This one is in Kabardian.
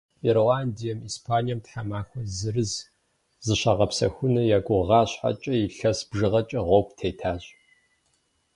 Ирландием, Испанием тхьэмахуэ зырыз зыщагъэпсэхуну я гугъа щхьэкӏэ, илъэс бжыгъэкӏэ гъуэгу тетащ.